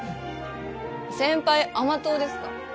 先輩甘党ですか？